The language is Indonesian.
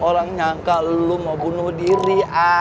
orang nyangka lo mau bunuh diri